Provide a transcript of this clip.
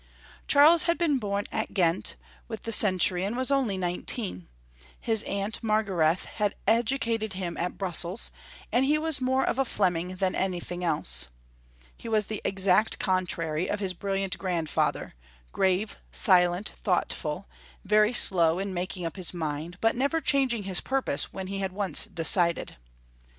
Charles had been bom at Ghent with the cen tury, and was only nineteen. His aunt Margarethe had educated him at Brussels, and he was more of a Fleming than anything else. He was the exact contrary of his brilliant grandfather, grave, silent, thoughtful, very slow in making up his mind, but never changing his purpose when he had once de cided.